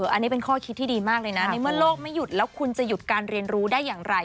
อันนี้เป็นข้อคิดที่ดีมากเลยนะในเมื่อโลกไม่หยุดแล้วคุณจะหยุดการเรียนรู้ได้อย่างไร